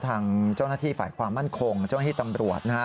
ทางเจ้าหน้าที่ฝ่ายความมั่นคงเจ้าหน้าที่ตำรวจนะฮะ